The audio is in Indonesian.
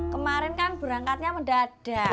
kemarin kan berangkatnya mendadak